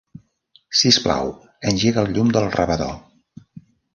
Sisplau, engega el llum del rebedor.